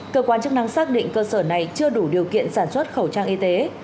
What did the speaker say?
cơ quan chức năng xác định cơ sở này chưa đủ điều kiện sản xuất khẩu trang y tế